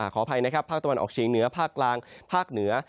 ขออภัยนะครับภาคตะวันออกเฉียงเหนือภาคกลางภาคเหนือ